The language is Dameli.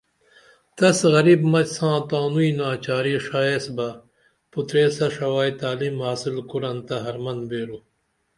تس غریب مچ ساں تانوئی ناچاری ڜایس بہ پُتریسہ ڜوائی تعلیم حاصل کُرون تہ ہرمن بیرو